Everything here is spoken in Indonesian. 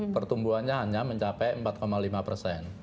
pertumbuhannya hanya mencapai empat lima persen